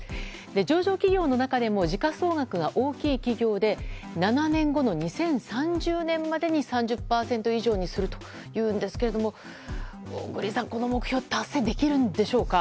上場企業の中でも時価総額が大きい企業で７年後の２０３０年までに３０％以上にするというんですけど小栗さん、この目標達成できるんでしょうか。